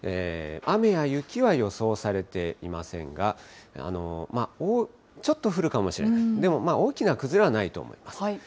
雨や雪は予想されていませんが、ちょっと降るかもしれない、でも大きな崩れはないと思います。